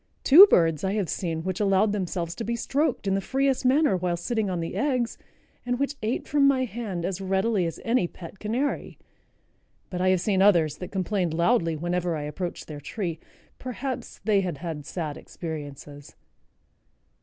Two birds I have seen which allowed themselves to be stroked in the freest manner while sitting on the eggs, and which ate from my hand as readily as any pet canary; but I have seen others that complained loudly whenever I approached their tree. Perhaps they had had sad experiences."